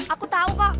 aku tahu kok